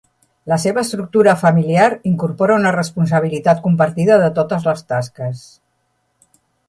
La seva estructura familiar incorpora una responsabilitat compartida de totes les tasques.